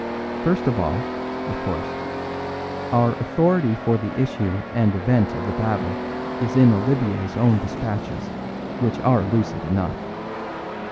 First of all, of course, our authority for the issue and event of the battle is in Olivier's own dispatches, which are lucid enough.